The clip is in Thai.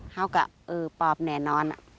เท่ากับปอบแน่นอน